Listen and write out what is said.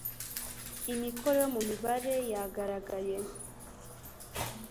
Imikoro yo mu mibare yagaragaye